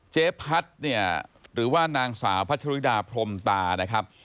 เจ๊พัดเนี่ยหรือว่านางสาวพัชริดาพรมตานะครับ